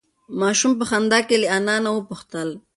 ماشوم په خندا کې له انا نه وپوښتل.